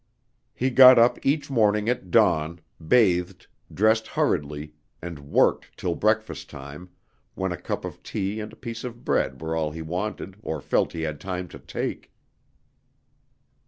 He got up each morning at dawn, bathed, dressed hurriedly, and worked till breakfast time, when a cup of tea and a piece of bread were all he wanted or felt he had time to take.